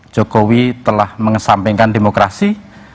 jokowi telah mengesampingkan demokrasi